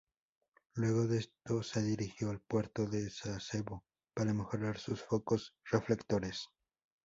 Luego de esto se dirigió al puerto de Sasebo para mejorar sus focos reflectores.